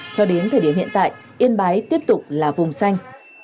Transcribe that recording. cho đến thời điểm hiện tại yên bái tiếp tục là vùng xanh